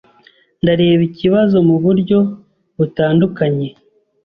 Ndareba ikibazo muburyo butandukanye.